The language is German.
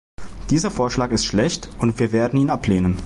Dieser Vorschlag ist schlecht, und wir werden ihn ablehnen.